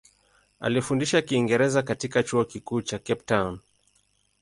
Alifundisha Kiingereza katika Chuo Kikuu cha Cape Town.